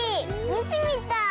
みてみたい！